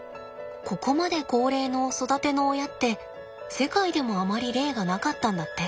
ここまで高齢の育ての親って世界でもあまり例がなかったんだって。